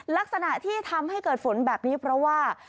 ลักษณะที่ทำให้เกิดฝนแบบนี้เพราะว่า